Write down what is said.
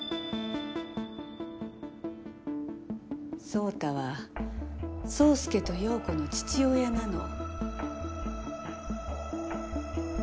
宗太は宗介と葉子の父親なの。